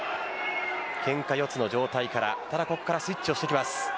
ケンカ四つの状態からここからスイッチをしていきます。